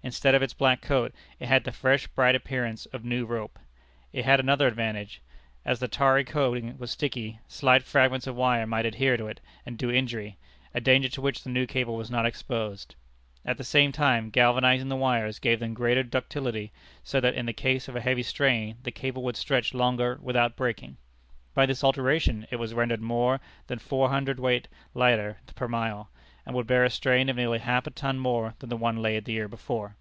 Instead of its black coat, it had the fresh, bright appearance of new rope. It had another advantage. As the tarry coating was sticky, slight fragments of wire might adhere to it, and do injury, a danger to which the new cable was not exposed. At the same time, galvanizing the wires gave them greater ductility, so that in the case of a heavy strain the cable would stretch longer without breaking. By this alteration it was rendered more than four hundred weight lighter per mile, and would bear a strain of nearly half a ton more than the one laid the year before.